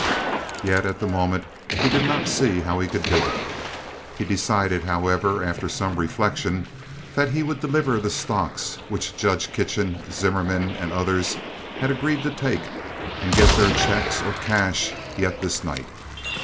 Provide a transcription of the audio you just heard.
Yet, at the moment, he did not see how he could do it. He decided, however, after some reflection, that he would deliver the stocks which Judge Kitchen, Zimmerman, and others had agreed to take and get their checks or cash yet this night.